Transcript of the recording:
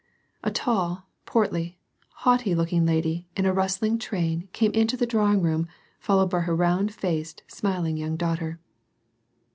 A tall, portly, haughty looking lady, in a rustling train came into the draX^ing room, followed by her round faced, smiling young daughter.